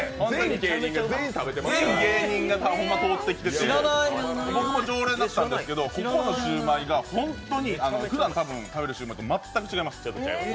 全芸人がほんま通ってきてて僕も常連だったんですけどここのしゅうまいが本当に多分食べるしゅうまいと全く違います。